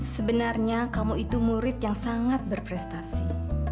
sebenarnya kamu itu murid yang sangat berprestasi